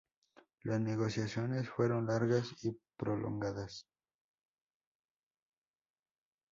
Las negociaciones fueron largas y prolongadas.